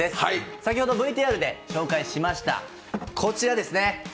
先ほどＶＴＲで紹介しましたこちらですね。